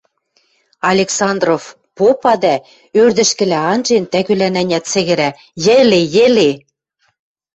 – Александров попа дӓ, ӧрдӹжкӹлӓ анжен, тӓгӱлӓн-ӓнят сӹгӹрӓ: – Йӹле, йӹле!